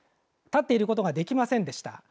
立っていることができませんでした。